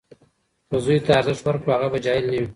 که زوی ته ارزښت ورکړو، هغه به جاهل نه وي.